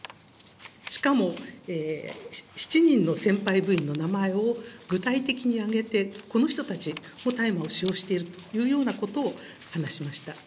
しかも７人の先輩部員の名前を具体的に挙げて、この人たちも大麻を使用しているというようなことを話しました。